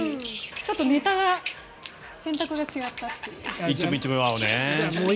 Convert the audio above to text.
ちょっとネタが選択が違ったという。